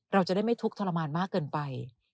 เราจะได้ไม่ทุกข์ทรมานมากเกินไป